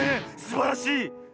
すばらしい。